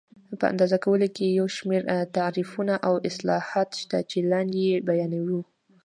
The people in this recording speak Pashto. په اندازه کولو کې یو شمېر تعریفونه او اصلاحات شته چې لاندې یې بیانوو.